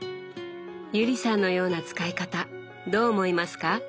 友里さんのような使い方どう思いますか？